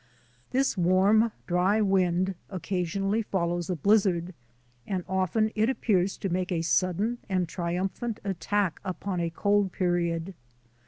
This warm, dry wind occasionally follows a blizzard, and often it appears to make a sudden and triumphant attack upon a cold period.